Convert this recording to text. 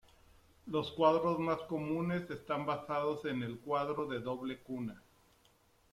Los cuadros más comunes están basados en el "cuadro de doble cuna".